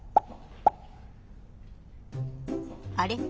あれ？